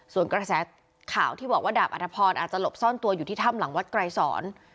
ส่วนกระแสข่าวที่บอกว่าดาบอัธพรอาจจะหลบซ่อนตัวอยู่ที่ถ้ำหลังวัดไกรสอน